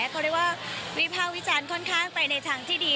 เขาเรียกว่าวิภาควิจารณ์ค่อนข้างไปในทางที่ดี